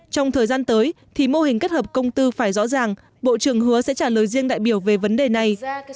trong thời gian tới thì mô hình kết hợp công tư phải rõ ràng bộ trưởng hứa sẽ trả lời riêng đại biểu về vấn đề này